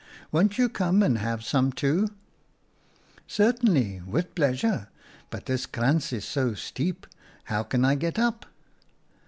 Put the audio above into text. Won't you come and have some, too ?'"' Certainly, with pleasure, but this krantz is so steep — how can I get up